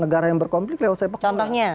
negara yang berkonflik lewat sepak bola contohnya